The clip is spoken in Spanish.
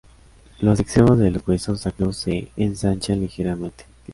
Los extremos de los huesos sacros se ensanchan ligeramente.